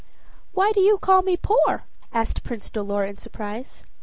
"Why do you call me poor?" asked Prince Dolor, in surprise.